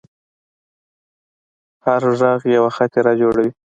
هر غږ یوه خاطره جوړوي.